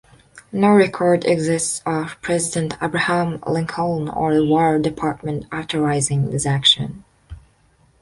No record exists of President Abraham Lincoln or the War Department authorizing this action.